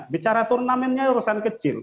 bicara turnamennya urusan kecil